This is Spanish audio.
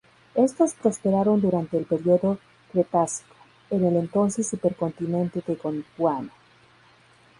Estos prosperaron durante el periodo Cretácico, en el entonces supercontinente de Gondwana.